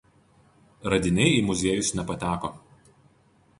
Radiniai į muziejus nepateko.